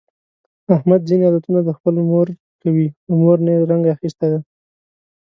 احمد ځني عادتونه د خپلې مور کوي، له مور نه یې رنګ اخیستی دی.